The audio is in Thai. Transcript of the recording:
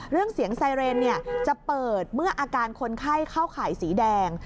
เรื่องเสียงไซเรนจะเปิดเมื่ออาการคนไข้เข้าข่ายสีแดง